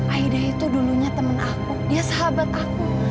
aida itu dulunya teman aku dia sahabat aku